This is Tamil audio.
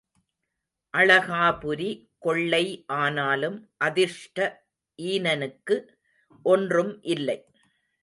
அளகாபுரி கொள்ளை ஆனாலும் அதிர்ஷ்ட ஈனனுக்கு ஒன்றும் இல்லை.